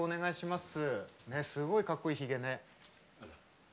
すごいかっこいいひげね。